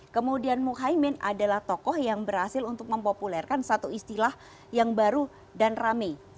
kemudian muhaymin adalah tokoh yang berhasil untuk mempopulerkan satu istilah yang baru dan rame